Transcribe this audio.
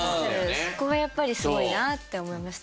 そこはやっぱりすごいなって思いました